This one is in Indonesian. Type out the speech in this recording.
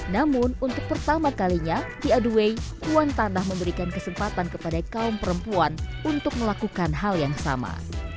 namun untuk pertama kalinya di aduway puan tanah memberikan kesempatan kepada kaum perempuan untuk melakukan hal yang sama